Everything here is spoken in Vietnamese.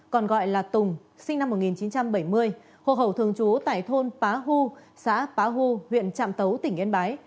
sinh năm một nghìn chín trăm bảy mươi hồ khẩu thường chú tại thôn pá hu xã pá hu huyện trạm tấu tỉnh yên bái